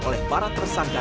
oleh para tersangka